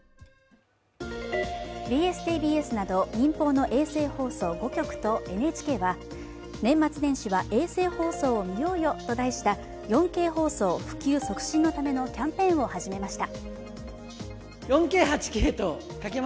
ＢＳ−ＴＢＳなど民放の衛星放送５局とＮＨＫは、「年末年始は衛星放送を見ようよ！」と題した４Ｋ放送普及促進のためのキャンペーンを始めました。